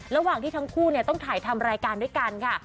ระหว่างที่ทั้งคู่ต้องถ่ายทำรายการด้วยกันค่ะ